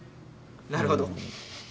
なるほど。